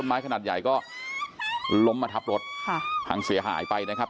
ไม้ขนาดใหญ่ก็ล้มมาทับรถค่ะพังเสียหายไปนะครับ